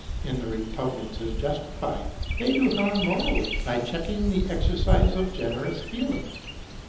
And the repugnance is justifiable; they do harm morally, by checking the exercise of generous feelings.